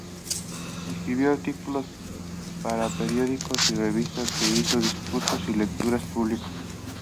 Escribió artículos para periódicos y revistas e hizo discursos y lecturas públicos.